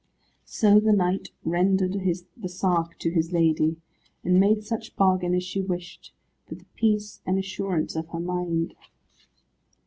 So the knight rendered the sark to his lady, and made such bargain as she wished, for the peace and assurance of her mind.